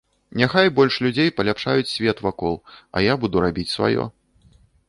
Няхай больш людзей паляпшаюць свет вакол, а я буду рабіць сваё.